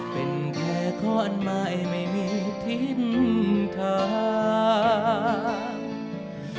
เป็นแค่ข้อนใหม่ไม่มีทิศทาง